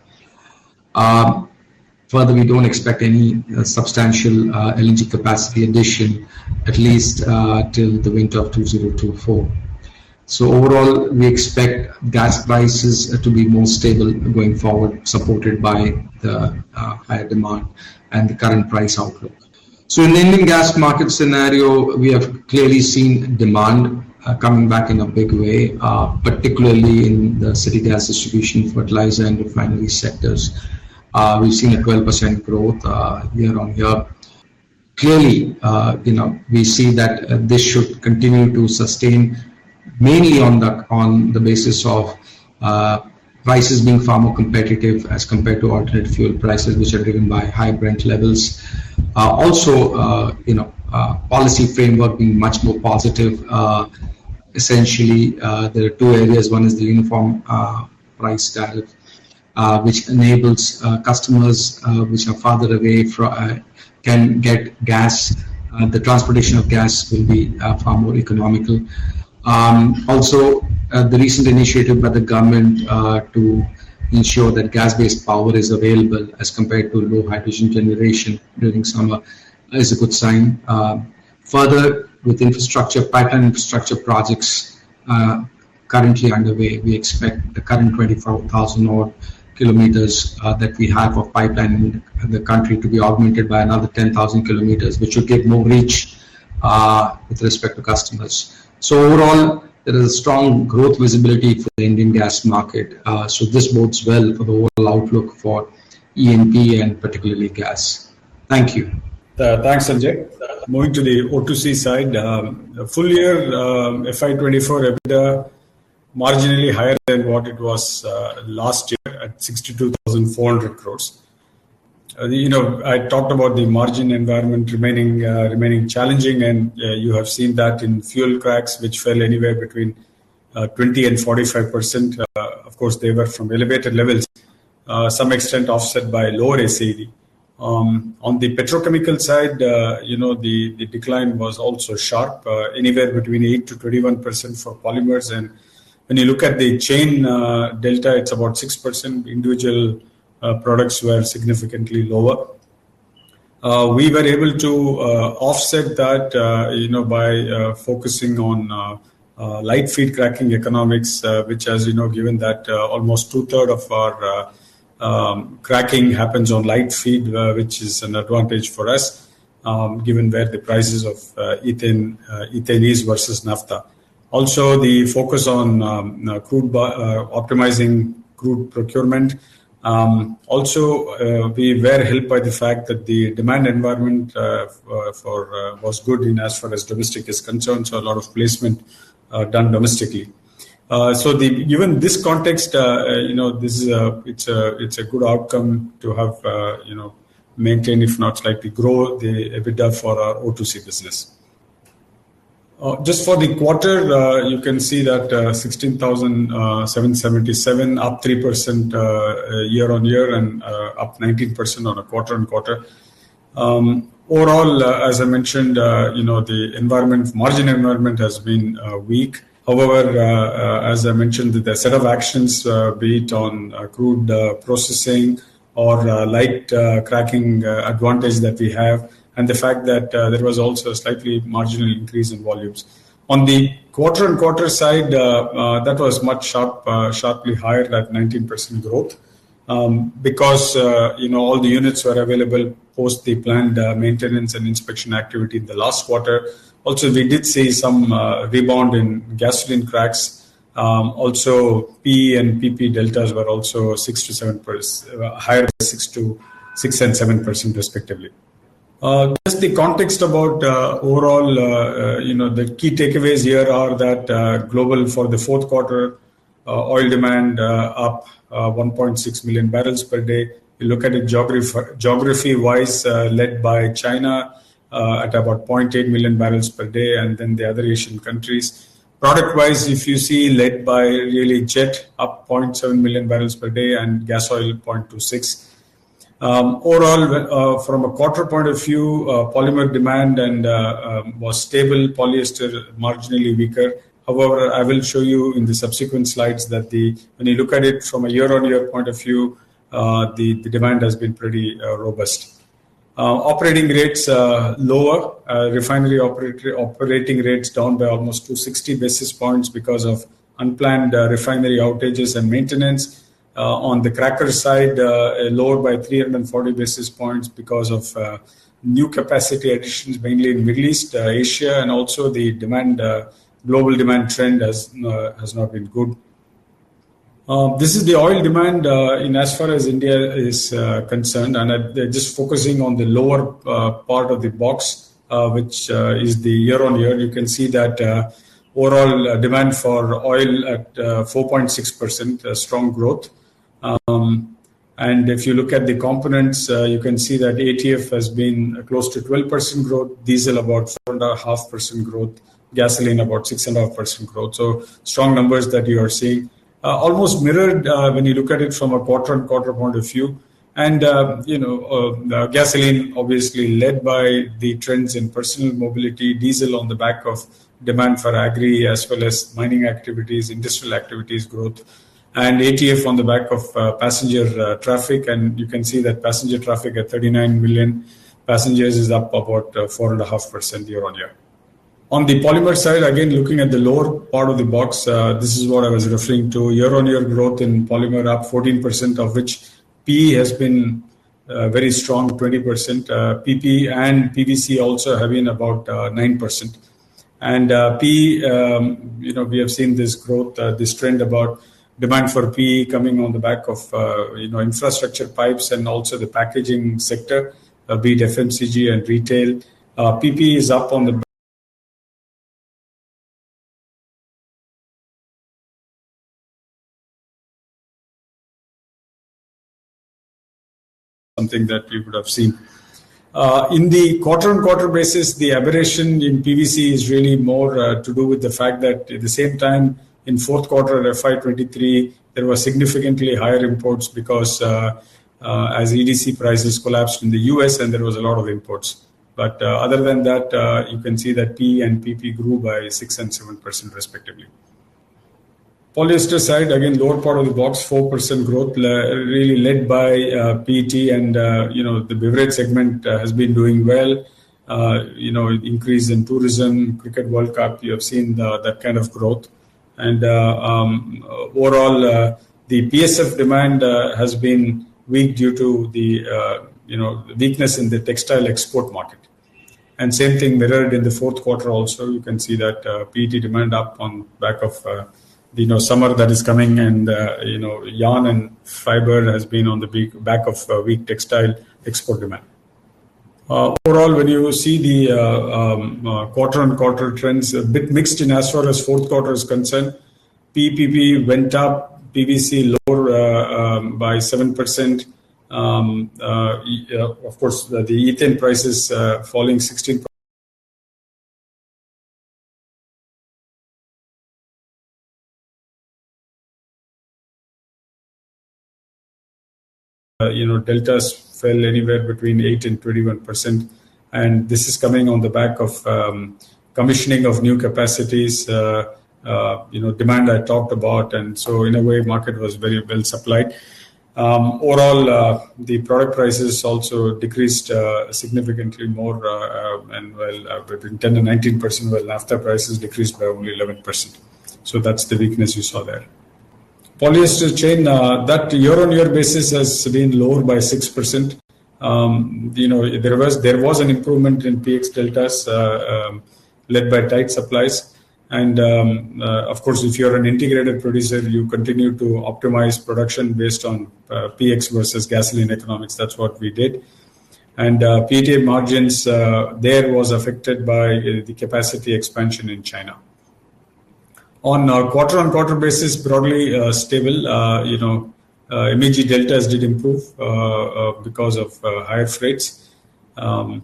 Further, we don't expect any substantial LNG capacity addition, at least till the winter of 2024. So overall, we expect gas prices to be more stable going forward, supported by the higher demand and the current price outlook. So in the Indian gas market scenario, we have clearly seen demand coming back in a big way, particularly in the city gas distribution, fertilizer, and refinery sectors. We've seen a 12% growth year-on-year. Clearly, you know we see that this should continue to sustain mainly on the basis of prices being far more competitive as compared to alternate fuel prices, which are driven by high Brent levels. Also, you know policy framework being much more positive. Essentially, there are two areas. One is the uniform price tariff, which enables customers which are farther away from, can get gas. The transportation of gas will be far more economical. Also, the recent initiative by the government to ensure that gas-based power is available as compared to low hydrogen generation during summer is a good sign. Further, with infrastructure pipeline infrastructure projects currently underway, we expect the current 24,000-odd would give more reach with respect to customers. Overall, there is a strong growth visibility for the Indian gas market. So this bodes well for the overall outlook for E&P and particularly gas. Thank you. Thanks, Sanjay. Moving to the O2C side, full-year FY24. The [EBITDA] marginally higher than what it was last year at 62,400 crore. You know I talked about the margin environment remaining challenging, and you have seen that in fuel cracks, which fell anywhere between 20% and 45%. Of course, they were from elevated levels, to some extent offset by lower SAV. On the petrochemical side, you know the decline was also sharp, anywhere between 8% to 21% for polymers. And when you look at the chain delta, it's about 6%. Individual products were significantly lower. We were able to offset that, you know by focusing on light feed cracking economics, which, as you know, given that almost two-thirds of our cracking happens on light feed, which is an advantage for us given where the prices of ethane are versus naphtha. Also, the focus on optimizing crude procurement. Also, we were helped by the fact that the demand environment was good as far as domestic is concerned, so a lot of placement done domestically. Given this context, you know, this is a it's a good outcome to have, you know, maintain, if not slightly grow, the EBITDA for our O2C business. Just for the quarter, you can see that 16,777, up 3% year-on-year and up 19% on a quarter-on-quarter. Overall, as I mentioned, you know, the environment margin environment has been weak. However, as I mentioned, the set of actions, be it on crude processing or light cracking advantage that we have, and the fact that there was also a slightly marginal increase in volumes. On the quarter-on-quarter side, that was much sharply higher, that 19% growth, because you know all the units were available post the planned maintenance and inspection activity in the last quarter. Also, we did see some rebound in gasoline cracks. Also, PE and PP deltas were also 6%-7% higher, 6% and 7% respectively. Just the context about overall, you know the key takeaways here are that global for the Q4, oil demand up 1.6 million barrels per day. You look at it geography-wise, led by China at about 0.8 million barrels per day and then the other Asian countries. Product-wise, if you see led by really jet, up 0.7 million barrels per day and gasoil, 0.26. Overall, from a quarter point of view, polymer demand was stable, polyester marginally weaker. However, I will show you in the subsequent slides that when you look at it from a year-on-year point of view, the demand has been pretty robust. Operating rates lower, refinery operating rates down by almost 260 basis points because of unplanned refinery outages and maintenance. On the cracker side, lower by 340 basis points because of new capacity additions, mainly in Middle East, Asia, and also the global demand trend has not been good. This is the oil demand as far as India is concerned. Just focusing on the lower part of the box, which is the year-on-year, you can see that overall demand for oil at 4.6%, strong growth. If you look at the components, you can see that ATF has been close to 12% growth, diesel about 4.5% growth, gasoline about 6.5% growth. Strong numbers that you are seeing, almost mirrored when you look at it from a quarter-on-quarter point of view. And you know gasoline, obviously led by the trends in personal mobility, diesel on the back of demand for agri as well as mining activities, industrial activities growth, and ATF on the back of passenger traffic. You can see that passenger traffic at 39 million passengers is up about 4.5% year-on-year. On the polymer side, again, looking at the lower part of the box, this is what I was referring to, year-on-year growth in polymer up 14%, of which PE has been very strong, 20%, PP and PVC also having about 9%. PE, you know we have seen this growth, this trend about demand for PE coming on the back of you know infrastructure pipes and also the packaging sector, be it FMCG and retail. PP is up on the something that we would have seen. In the quarter-on-quarter basis, the aberration in PVC is really more to do with the fact that at the same time, in the Q4 of FY 2023, there were significantly higher imports because as EDC prices collapsed in the U.S. and there was a lot of imports. Other than that, you can see that PE and PP grew by 6% and 7% respectively. Polyester side, again, lower part of the box, 4% growth really led by PET, and you know the beverage segment has been doing well. You know increase in tourism, Cricket World Cup, you have seen that kind of growth. Overall, the PSF demand has been weak due to the weakness in the textile export market. Same thing mirrored in the Q4 also. You can see that PET demand up on the back of the summer that is coming, and you know yarn and fiber have been on the back of weak textile export demand. Overall, when you see the quarter-on-quarter trends a bit mixed in as far as Q4 is concerned, PE, PP went up, PVC lower by 7%. Of course, the ethane prices falling 16%. You know deltas fell anywhere between 8% to 21%. This is coming on the back of commissioning of new capacities, you know demand I talked about. In a way, market was very well supplied. Overall, the product prices also decreased significantly more and well between 10%-19% while naphtha prices decreased by only 11%. So that's the weakness you saw there. Polyester chain, that year-on-year basis has been lower by 6%. You know there was an improvement in PX deltas led by tight supplies. Of course, if you're an integrated producer, you continue to optimize production based on PX versus gasoline economics. That's what we did. PET margins there were affected by the capacity expansion in China. On a quarter-on-quarter basis, broadly stable. You know MEG deltas did improve because of higher freights, and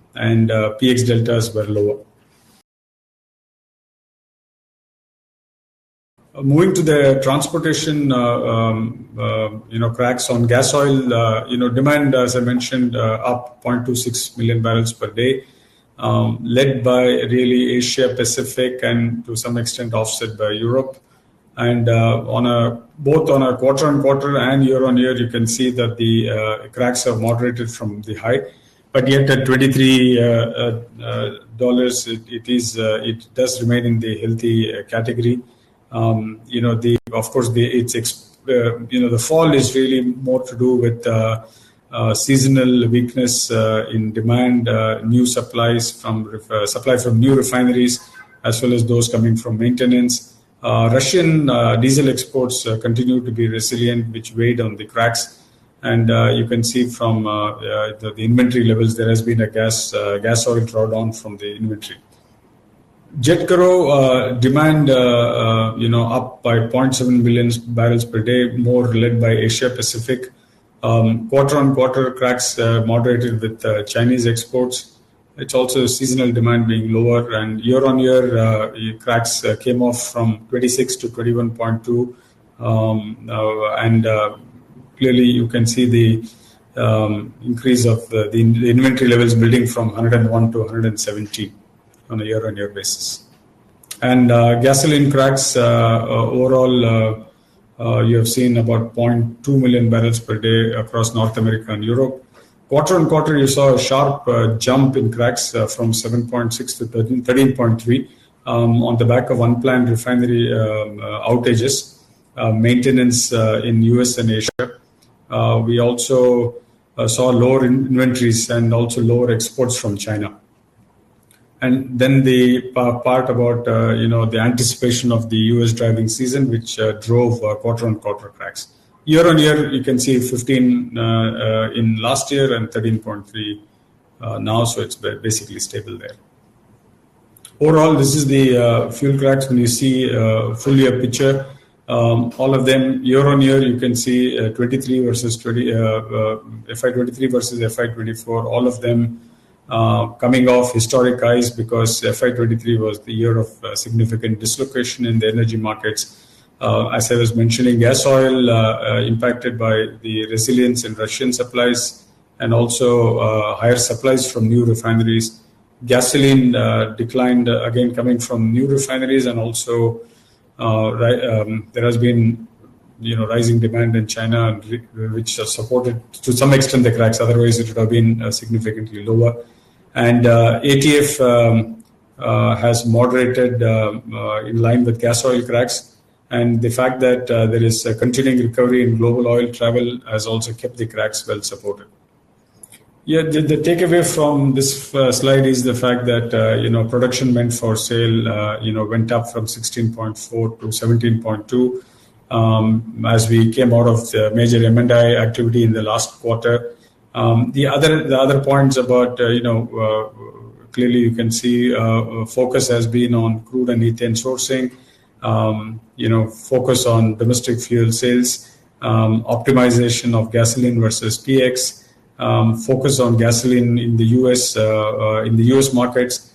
PX deltas were lower. Moving to the transportation you know cracks on gasoil, you know demand, as I mentioned, up 0.26 million barrels per day, led by really Asia-Pacific and to some extent offset by Europe. Both on a quarter-on-quarter and year-on-year, you can see that the cracks have moderated from the high. But yet at $23, it does remain in the healthy category. You know of course, the fall is really more to do with seasonal weakness in demand, new supply from new refineries as well as those coming from maintenance. Russian diesel exports continue to be resilient, which weighed on the cracks. You can see from the inventory levels, there has been a gasoil drawdown from the inventory. Jet kero demand you know up by 0.7 million barrels per day, more led by Asia-Pacific. Quarter-on-quarter, cracks moderated with Chinese exports. It's also seasonal demand being lower. And year-on-year, cracks came off from 26% to 21.2%. Clearly, you can see the increase of the inventory levels building from 101% to 117% on a year-on-year basis. And gasoline cracks, overall, you have seen about 0.2 million barrels per day across North America and Europe. Quarter-on-quarter, you saw a sharp jump in cracks from 7.6% to 13.3% on the back of unplanned refinery outages, maintenance in the U.S. and Asia. We also saw lower inventories and also lower exports from China. The part about you know the anticipation of the U.S. driving season, which drove quarter-on-quarter cracks. Year-on-year, you can see 15% in last year and 13.3% now, so it's basically stable there. Overall, this is the fuel cracks. When you see a full-year picture, all of them, year-on-year, you can see FY23 versus FY24, all of them coming off historic highs because FY23 was the year of significant dislocation in the energy markets. As I was mentioning, gasoil impacted by the resilience in Russian supplies and also higher supplies from new refineries. Gasoline declined, again, coming from new refineries. Also there has been you know rising demand in China, which supported to some extent the cracks. Otherwise, it would have been significantly lower. ATF has moderated in line with gasoil cracks. The fact that there is continuing recovery in global oil travel has also kept the cracks well supported. Yeah, the takeaway from this slide is the fact that you know production meant for sale you know went up from 16.4% to 17.2% as we came out of the major M&I activity in the last quarter. The other points about you know clearly you can see focus has been on crude and ethane sourcing, you know focus on domestic fuel sales, optimization of gasoline versus PX, focus on gasoline in the U.S. markets,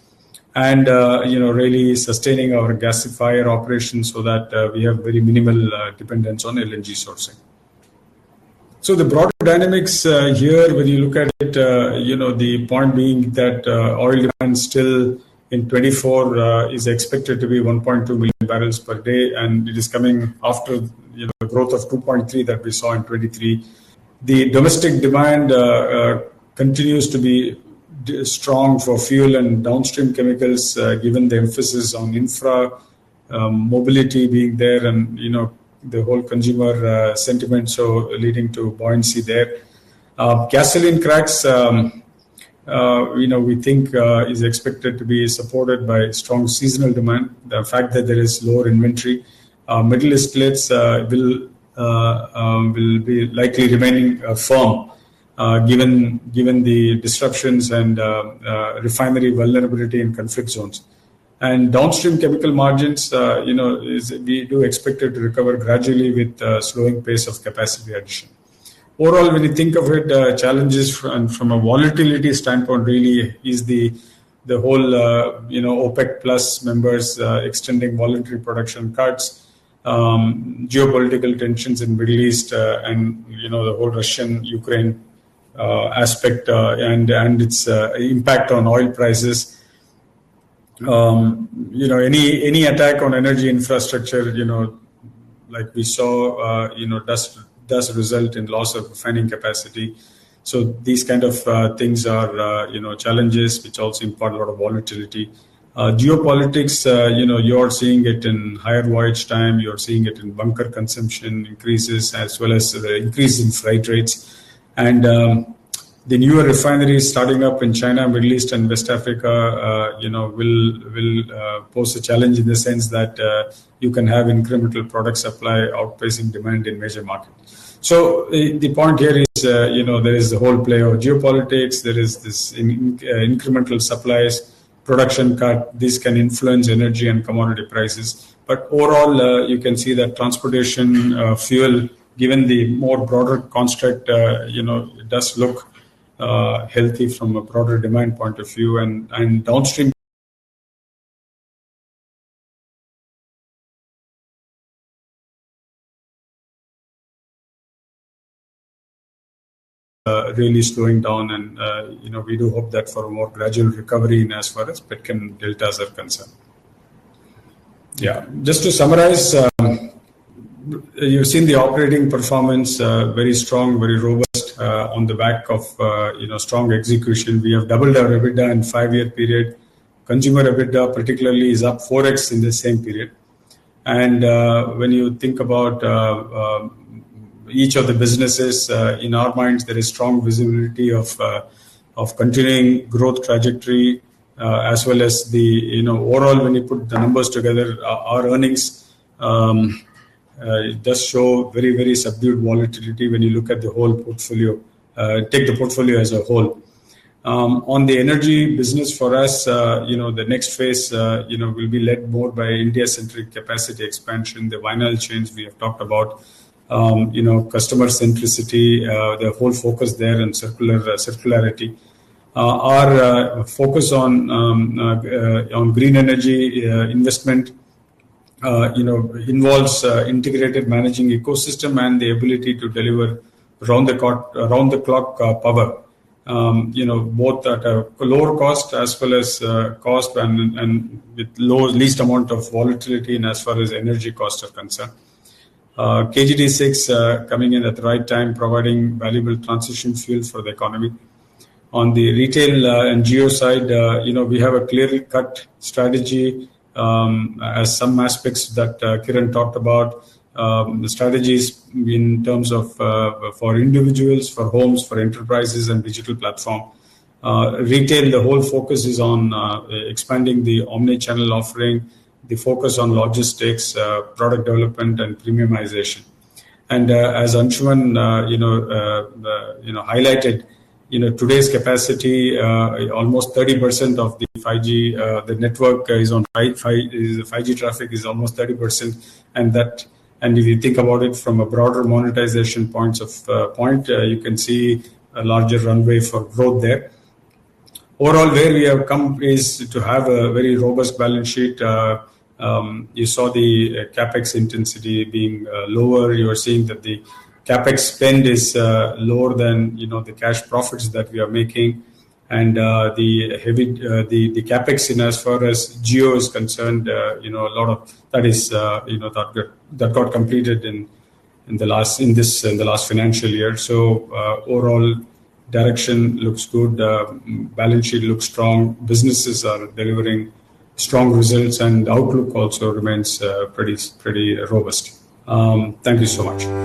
and you know really sustaining our gasifier operations so that we have very minimal dependence on LNG sourcing. The broader dynamics here, when you look at it, you know the point being that oil demand still in 2024 is expected to be 1.2 million barrels per day, and it is coming after you know the growth of 2.3% that we saw in 2023. The domestic demand continues to be strong for fuel and downstream chemicals given the emphasis on infra mobility being there and you know the whole consumer sentiment so leading to buoyancy there. Gasoline cracks, you know we think, are expected to be supported by strong seasonal demand, the fact that there is lower inventory. Middle East lifts will be likely remaining firm given the disruptions and refinery vulnerability in conflict zones. Downstream chemical margins, you know we do expect it to recover gradually with the slowing pace of capacity addition. Overall, when you think of it, challenges from a volatility standpoint really is the whole you know OPEC+ members extending voluntary production cuts, geopolitical tensions in the Middle East, and you know the whole Russian-Ukraine aspect and its impact on oil prices. You know any attack on energy infrastructure, you know like we saw, you know does result in loss of refining capacity. These kind of things are you know challenges, which also impart a lot of volatility. Geopolitics, you know you're seeing it in higher voyage time, you're seeing it in bunker consumption increases as well as the increase in freight rates. The newer refineries starting up in China, Middle East, and West Africa you know will pose a challenge in the sense that you can have incremental product supply outpacing demand in major markets. The point here is, you know, there is the whole play of geopolitics, there is this incremental supplies, production cut, these can influence energy and commodity prices. Overall, you can see that transportation fuel, given the more broader construct, you know it does look healthy from a broader demand point of view. Downstream really is slowing down. You know we do hope that for a more gradual recovery in as far as Petchem deltas are concerned. Yeah, just to summarize, you've seen the operating performance very strong, very robust on the back of you know strong execution. We have doubled our EBITDA in a 5-year period. Consumer EBITDA particularly is up 4x in the same period. When you think about each of the businesses, in our minds, there is strong visibility of continuing growth trajectory as well as the overall, when you put the numbers together, our earnings do show very, very subdued volatility when you look at the whole portfolio, take the portfolio as a whole. On the energy business for us, you know the next phase you know will be led more by India-centric capacity expansion, the vinyl chains we have talked about, you know customer centricity, the whole focus there and circularity. Our focus on green energy investment you know involves integrated managing ecosystem and the ability to deliver round-the-clock power, you know both at a lower cost as well as cost and with low least amount of volatility and as far as energy costs are concerned. KG-D6 coming in at the right time, providing valuable transition fuel for the economy. On the Retail and Jio side, you know we have a clearly cut strategy as some aspects that Kiran talked about, strategies in terms of for individuals, for homes, for enterprises, and digital platform. Retail, the whole focus is on expanding the omnichannel offering, the focus on logistics, product development, and premiumization. As Anshuman you know, you know highlighted, you know today's capacity, almost 30% of the 5G, the network is on high, is the 5G traffic is almost 30%. That and if you think about it from a broader monetization point of point, you can see a larger runway for growth there. Overall, where we have come is to have a very robust balance sheet. You saw the CapEx intensity being lower. You were seeing that the CapEx spend is lower than you know the cash profits that we are making. The heavy CapEx in as far as Jio is concerned, you know a lot of that is you know that got completed in the last financial year. Overall direction looks good. Balance sheet looks strong. Businesses are delivering strong results, and the outlook also remains pretty robust. Thank you so much.